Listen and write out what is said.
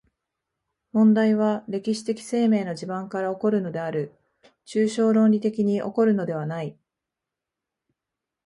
問題は歴史的生命の地盤から起こるのである、抽象論理的に起こるのではない。